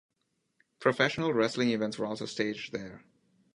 Professional wrestling events were also staged there.